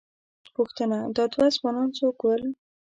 _پوښتنه، دا دوه ځوانان څوک ول؟